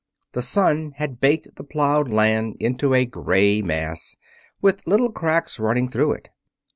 The sun had baked the plowed land into a gray mass, with little cracks running through it.